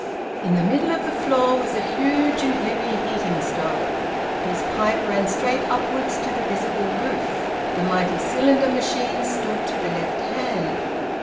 In the middle of the floor was a huge and heavy heating stove, whose pipe ran straight upwards to the visible roof. The mighty cylinder machine stood to the left hand.